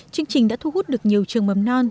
chương trình đã thu hút được nhiều trường mầm non